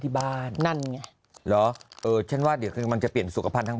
ที่บ้านนั่นเนี่ยเหรอเออเข้าว่าเรียกมันจะเปลี่ยนสุขภัณฑ์ทั้ง